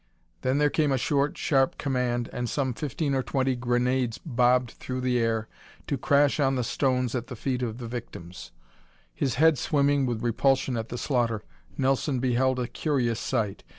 Then there came a short, sharp command and some fifteen or twenty grenades bobbed through the air to crash on the stones at the feet of the victims. His head swimming with repulsion at the slaughter, Nelson beheld a curious sight.